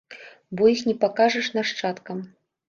Бо іх не пакажаш нашчадкам.